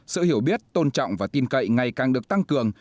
sự hiểu biết tôn trọng và tin cậy ngày càng được tăng cường